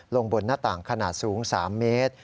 ลงบนหน้าต่างขนาดสูง๓เมตร